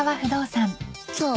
そう。